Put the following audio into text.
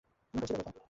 তুমি হয়েছিল কোথায়?